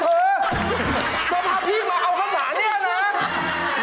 จะพาพี่มาเอาข้าวสาวนี้นะ